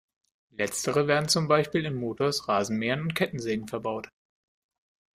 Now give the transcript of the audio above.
Letztere werden zum Beispiel in Mofas, Rasenmähern und Kettensägen verbaut.